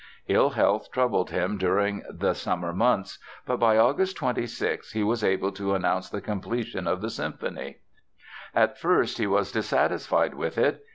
Ill health troubled him during the summer months, but by August 26 he was able to announce the completion of the symphony. At first he was dissatisfied with it.